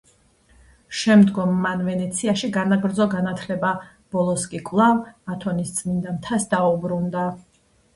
შემდგომ მან ვენეციაში განაგრძო განათლება, ბოლოს კი კვლავ ათონის წმიდა მთას დაუბრუნდა.